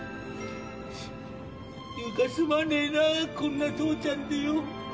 優香すまねえなこんな父ちゃんでよ。